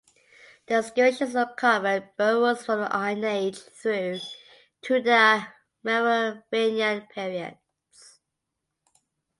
The excavations uncovered burials from the Iron Age through to the Merovingian periods.